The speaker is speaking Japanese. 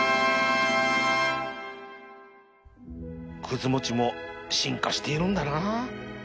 くず餅も進化しているんだな